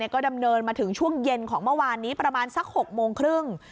ก็ดำเนินมาถึงช่วงเย็นของเมื่อวานนี้ประมาณสัก๖โมงครึ่ง